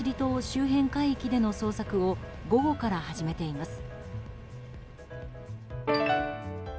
周辺海域での捜索を午後から始めています。